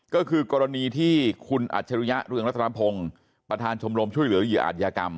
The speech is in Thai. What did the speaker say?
ก็คือกรณีที่คุณอัจฉริยะเรืองรัตนพงศ์ประธานชมรมช่วยเหลือเหยื่ออาจยากรรม